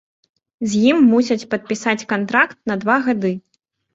З ім мусяць падпісаць кантракт на два гады.